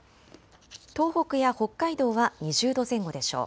東北や北海道は２０度前後でしょう。